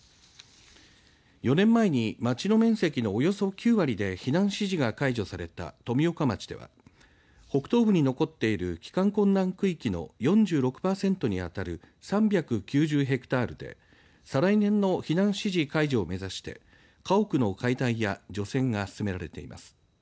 ４年前に町の面積のおよそ９割で避難指示が解除された富岡町では北東部に残っている帰還困難区域の４６パーセントにあたる３９０ヘクタールで再来年の避難指示解除を目指して家屋の解体や除染が進められています。